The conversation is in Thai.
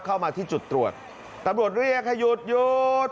เข้ามาที่จุดตรวจตำรวจเรียกให้หยุดหยุด